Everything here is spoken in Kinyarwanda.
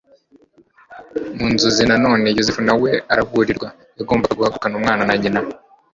Mu nzozi na none, Yosefu na we araburirwa. Yagombaga guhagurukana Umwana na nyina,